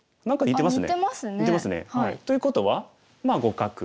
似てますね。ということはまあ互角。